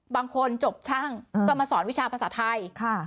บางคนจบช่างก็มาสอนวิชาภาษาไทย